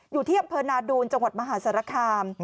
อยู่ที่อำเภอนาดูนจังหวัดมหาสารคาม